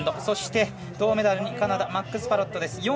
そして、銅メダルにカナダ、マックス・パロットです。